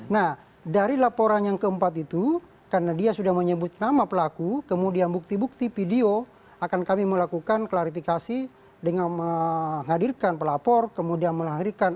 nah dari laporan yang keempat itu karena dia sudah menyebut nama pelaku kemudian bukti bukti video akan kami melakukan klarifikasi dengan menghadirkan pelapor kemudian melahirkan